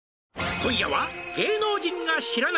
「今夜は」